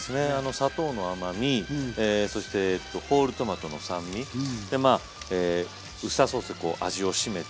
砂糖の甘みそしてホールトマトの酸味でまあウスターソースでこう味を締めて。